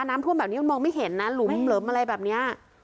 น้ำท่วมแบบนี้มันมองไม่เห็นนะหลุมเหลิมอะไรแบบนี้